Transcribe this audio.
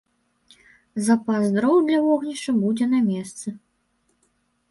Запас дроў для вогнішча будзе на месцы.